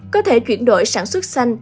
có thể chuyển đổi sản xuất xanh